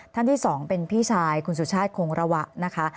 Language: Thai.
ท่านที่๒เป็นพี่ชายคุณสุชาติคงระวะนะคะ